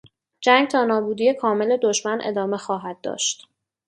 جنگ تا نابودی کامل دشمن ادامه خواهد داشت.